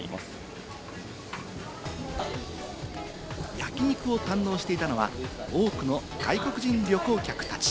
焼き肉を堪能していたのは多くの外国人旅行客たち。